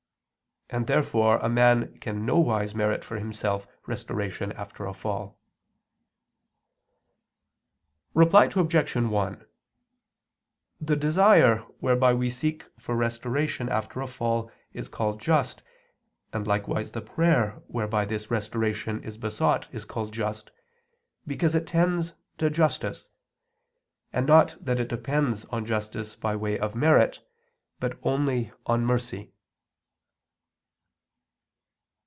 And therefore a man can nowise merit for himself restoration after a fall. Reply Obj. 1: The desire whereby we seek for restoration after a fall is called just, and likewise the prayer whereby this restoration is besought is called just, because it tends to justice; and not that it depends on justice by way of merit, but only on mercy.